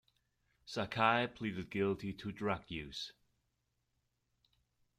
Sakai pleaded guilty to drug use.